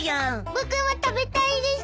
僕も食べたいです。